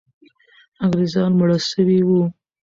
انګریزان مړه سوي وو.